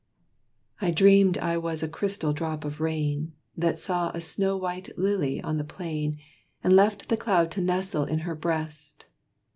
I dreamed I was a crystal drop of rain, That saw a snow white lily on the plain, And left the cloud to nestle in her breast.